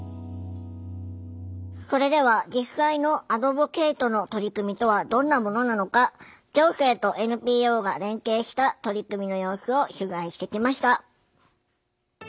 それでは実際のアドボケイトの取り組みとはどんなものなのか行政とＮＰＯが連携した取り組みの様子を取材してきました。